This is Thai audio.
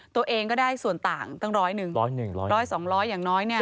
ตัวเองก็ได้ส่วนต่างตั้ง๑๐๐๒๐๐อย่างน้อยเนี่ย